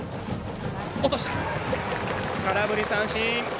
空振り三振。